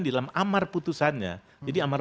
dalam amar putusannya jadi amar